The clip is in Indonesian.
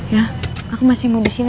ya aku masih mau disini